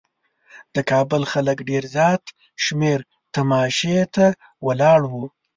د کابل خلک ډېر زیات شمېر تماشې ته ولاړ وو.